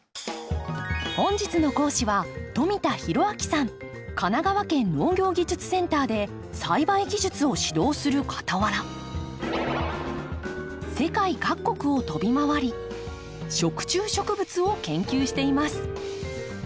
本日の講師は神奈川県農業技術センターで栽培技術を指導するかたわら世界各国を飛び回り食虫植物を研究しています。